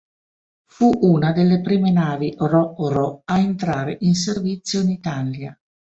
Fu una delle prime navi ro-ro a entrare in servizio in Italia.